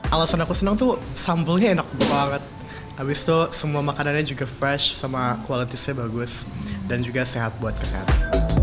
alasan aku senang tuh sambelnya enak banget habis itu semua makanannya juga fresh sama quality nya bagus dan juga sehat buat kesehatan